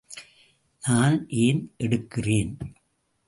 நான் ஏன் எடுக்கிறேன்?